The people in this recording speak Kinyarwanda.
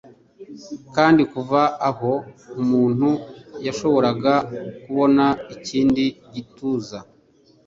kandi kuva aho umuntu yashoboraga kubona ikindi gituza